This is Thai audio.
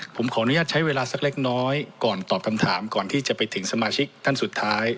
ผมขออนุญาตใช้เวลาสักเล็กน้อยก่อนตอบคำถามก่อนที่จะไปถึงสมาชิกท่านสุดท้าย